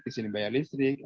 di sini bayar listrik